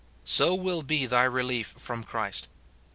So will be thy relief from Christ.